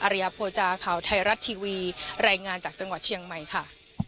ริยโภจาข่าวไทยรัฐทีวีรายงานจากจังหวัดเชียงใหม่ค่ะ